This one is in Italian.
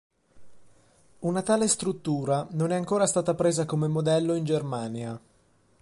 Una tale struttura non è ancora stata presa come modello in Germania.